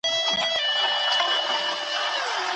ډېر لوړ ږغ پاڼه نه ړنګوي.